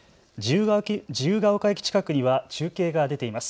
自由が丘駅近くには中継が出ています。